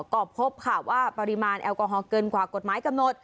ก็พบค่ะว่าปริมาณแอลกอฮอลเกินกว่ากฎหมายกำหนด